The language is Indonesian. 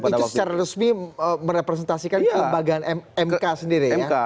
itu secara resmi merepresentasikan kelembagaan mk sendiri ya